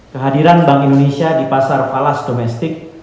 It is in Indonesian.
kehadiran bank indonesia di pasar falas domestik